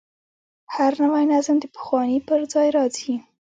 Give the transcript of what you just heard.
هر نوی نظم د پخواني پر ځای راځي.